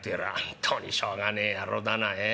っとにしょうがねえ野郎だなええ？